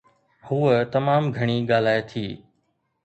هوءَ تمام گهڻي ڳالهائي ٿي